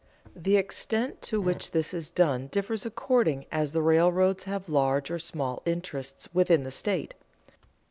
The extent to which this is done differs according as the railroads have large or small interests within the state.